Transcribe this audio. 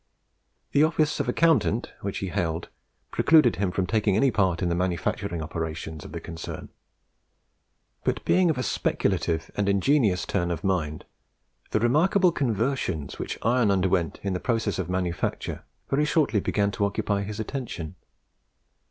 The office of accountant, which he held, precluded him from taking any part in the manufacturing operations of the concern. But being of a speculative and ingenious turn of mind, the remarkable conversions which iron underwent in the process of manufacture very shortly began to occupy his attention.